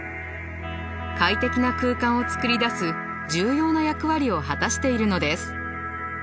快適な空間を作り出す重要な役割を果たしているのです。